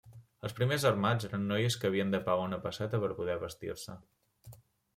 Els primers armats eren noies que havien de pagar una pesseta per poder vestir-se.